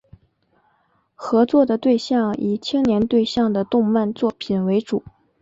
合作的对象以青年对象的动漫作品为主。